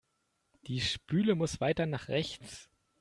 Die Spüle muss weiter nach rechts.